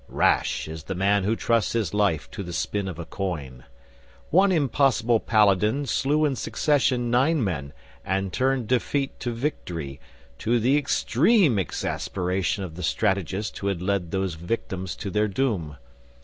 Rash is the man who trusts his life to the spin of a coin. One impossible paladin slew in succession nine men and turned defeat to victory, to the extreme exasperation of the strategist who had led those victims to their doom.